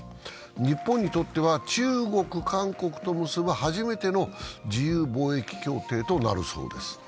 日本にとっては中国、韓国と結ぶ初めての自由貿易協定となるそうです。